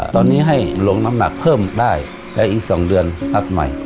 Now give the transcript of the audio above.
ตอนนี้ให้ลงน้ำหนักเพิ่มได้แต่อีก๒เดือนนัดใหม่